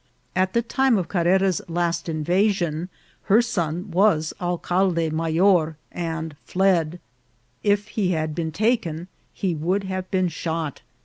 At the time of Carrera's last invasion her son was alcalde mayor, and fled. t If he had been taken he would have been shot.